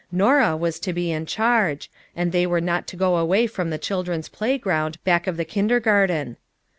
Norah was to bo in charge, and they were not to go away from the children's playground back of the kinder garten.